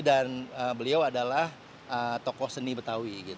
dan beliau adalah toko seni betawi